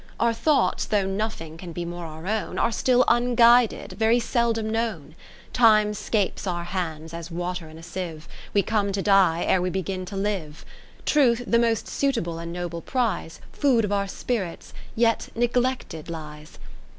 Our thoughts, though nothing can be more our own, Are still unguided, very seldom knov/n. Time 'scapes our hands as water in a sieve. We come to die ere we begin to live. Truth, the most suitable and noble prize. Food of our spirits, yet neglected lies.